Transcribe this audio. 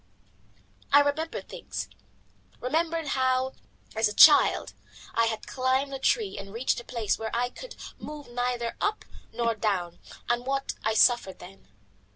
I remembered things: remembered how, as a child, I had climbed a tree and reached a place whence I could move neither up nor down, and what I suffered then.